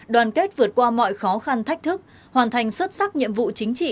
đoàn kết vượt qua mọi khó khăn thách thức hoàn thành xuất sắc nhiệm vụ chính trị